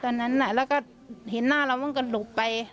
ตอนนั้นแล้วก็เห็นหน้าเรามันก็หลบไป